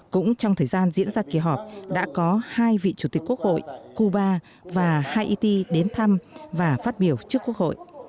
cũng trong thời gian diễn ra kỳ họp đã có hai vị chủ tịch quốc hội cuba và haiiti đến thăm và phát biểu trước quốc hội